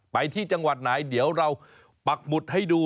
ไปที่จังหวัดไหนเดี๋ยวเราปักหมุดให้ดู